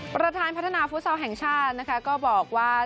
ประธานพัฒนาฟุตซอลแห่งชาตินะคะก็บอกว่า